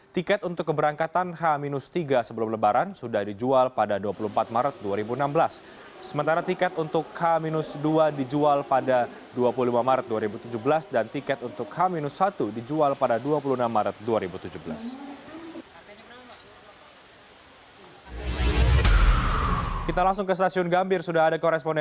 tiket untuk keberangkatan h tiga sebelum lebaran sudah dijual pada dua puluh empat maret dua ribu enam belas